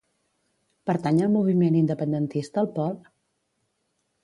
Pertany al moviment independentista el Pol?